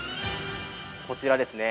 ◆こちらですね。